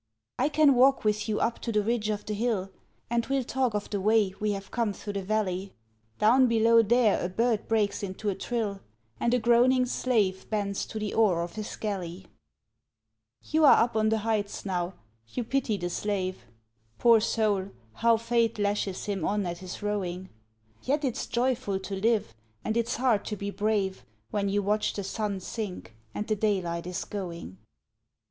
I can walk with you up to the ridge of the hill, And we'll talk of the way we have come through the valley; Down below there a bird breaks into a trill, And a groaning slave bends to the oar of his galley. You are up on the heights now, you pity the slave "Poor soul, how fate lashes him on at his rowing! Yet it's joyful to live, and it's hard to be brave When you watch the sun sink and the daylight is going."